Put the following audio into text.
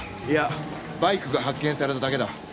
いやバイクが発見されただけだ。